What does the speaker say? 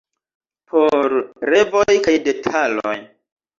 Por revoj kaj detaloj.